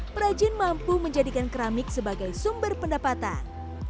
perajin mampu menjadikan keramik sebagai sumber pendapatan